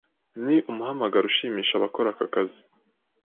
ni umuhamagaro ushimisha abakora aka kazi,